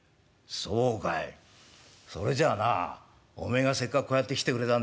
それじゃあなおめえがせっかくこうやって来てくれたんだ。